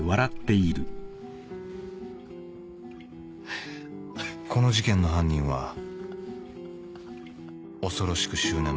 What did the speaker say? ああーこの事件の犯人は恐ろしく執念